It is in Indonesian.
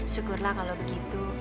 syukurlah kalau begitu